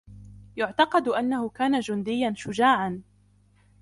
يُعتقد أنه كان جنديا شجاعا.